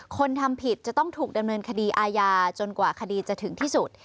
คนทำผิดจะต้องถูกดำเนินคดีอาญาจนกว่าคดีจะถึงที่สุด